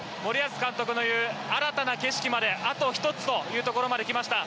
森保監督の言う新たな景色まであと１つというところまで来ました。